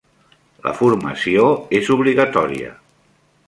La formació és obligatòria.